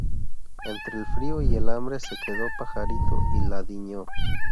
Entre el frío y el hambre se quedó pajarito y la diñó